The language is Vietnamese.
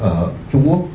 ở trung quốc